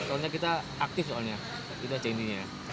soalnya kita aktif soalnya itu aja intinya